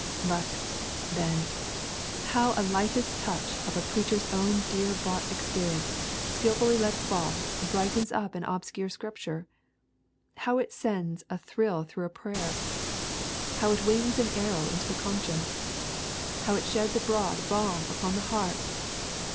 But, then, how a lightest touch of a preacher's own dear bought experience skilfully let fall brightens up an obscure scripture! How it sends a thrill through a prayer! How it wings an arrow to the conscience! How it sheds abroad balm upon the heart!